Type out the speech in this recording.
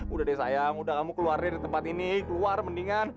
udah deh sayang udah kamu keluarin di tempat ini keluar mendingan